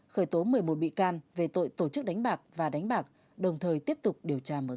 khởi tố một mươi một bị can về tội tổ chức đánh bạc và đánh bạc đồng thời tiếp tục điều tra mở rộng